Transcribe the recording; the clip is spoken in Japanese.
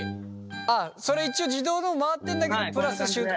あっそれ一応自動でも回ってんだけどプラス手動で。